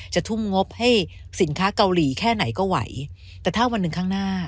ทุ่มงบให้สินค้าเกาหลีแค่ไหนก็ไหวแต่ถ้าวันหนึ่งข้างหน้า